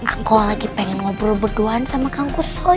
aku lagi pengen ngobrol berduaan sama kanku soy